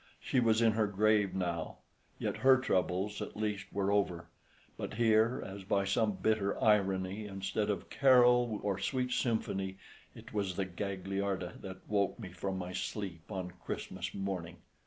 She was in her grave now; yet her troubles at least were over, but here, as by some bitter irony, instead of carol or sweet symphony, it was the Gagliarda that woke me from my sleep on Christmas morning.